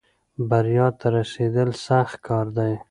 بریا ته رسېدل سخت کار دی.